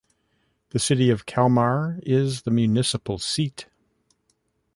The city of Kalmar is the municipal seat.